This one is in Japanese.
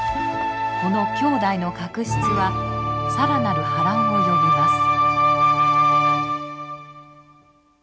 この兄弟の確執は更なる波乱を呼びます。